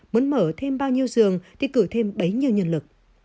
muốn mở thêm bao nhiêu giường thì cử thêm bấy nhiêu nhân lực